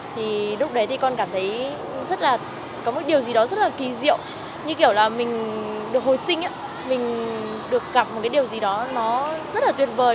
thì lúc đấy thì con cảm thấy rất là có một điều gì đó rất là kỳ diệu như kiểu là mình được hồi sinh mình được gặp một cái điều gì đó nó rất là tuyệt vời